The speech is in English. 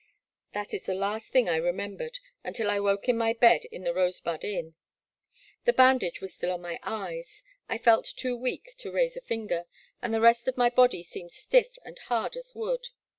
That is the last thing I remembered until I woke in my bed in the Rosebud Inn. The bandage was still on my eyes, — I felt too weak to raise a finger, — and the rest of my body seemed stiff and hard as wood.